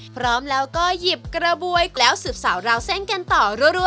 พร้อมแล้วก็หยิบกระบวยแล้วสืบสาวราวเส้นกันต่อรั่ว